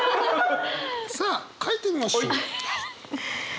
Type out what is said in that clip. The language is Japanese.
さあ書いてみましょう。